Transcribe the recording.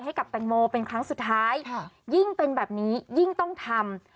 ให้กับแตงโมเป็นครั้งสุดท้ายยิ่งเป็นแบบนี้ยิ่งต้องทำ